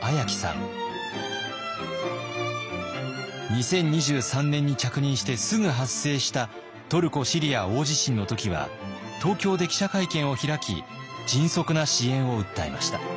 ２０２３年に着任してすぐ発生したトルコ・シリア大地震の時は東京で記者会見を開き迅速な支援を訴えました。